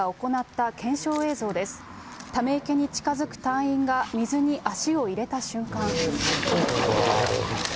ため池に近づく隊員が、水に足を入れた瞬間。